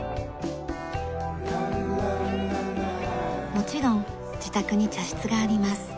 もちろん自宅に茶室があります。